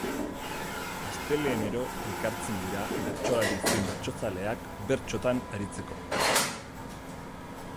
Astelehenero elkartzen dira bertsolari zein bertsozaleak, bertsotan aritzeko.